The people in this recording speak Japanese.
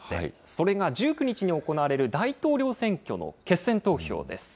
それが１９日に行われる大統領選挙の決選投票です。